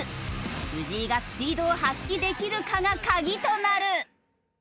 藤井がスピードを発揮できるかが鍵となる。